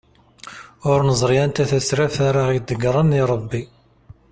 Ur neẓri anta tasraft ara aɣ-d-igren irebbi.